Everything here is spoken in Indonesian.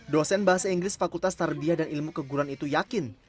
dosen bahasa inggris fakultas tarbiah dan ilmu keguran itu yakin